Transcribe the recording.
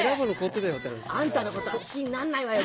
「あんたのことは好きになんないわよ。